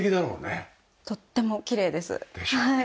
とってもきれいです。でしょうね。